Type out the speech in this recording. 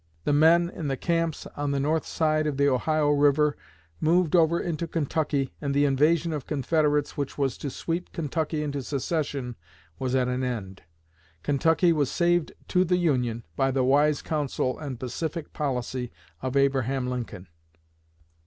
The men in the camps on the north side of the Ohio river moved over into Kentucky, and the invasion of Confederates which was to sweep Kentucky into secession was at an end. Kentucky was saved to the Union by the wise counsel and pacific policy of Abraham Lincoln."